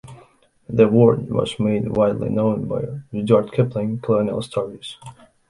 The word was made widely known by Rudyard Kipling colonial stories.